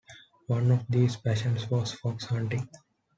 One of these passions was fox hunting.